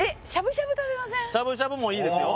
しゃぶしゃぶもいいですよ